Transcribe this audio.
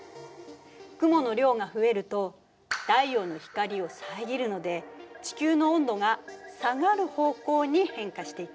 雲の量が増えると太陽の光を遮るので地球の温度が下がる方向に変化していく。